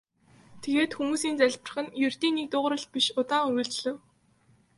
Тэгээд хүмүүсийн залбирах нь ердийн нэг дуугаралт биш удаан үргэлжлэв.